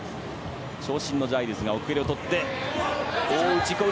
長身のジャイルズが奥襟をとって大内、小内。